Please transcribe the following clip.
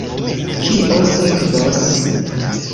Kio sekvos?